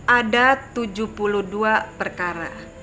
ada tujuh puluh dua perkara